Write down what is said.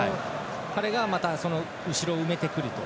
彼がまた後ろを埋めてくると。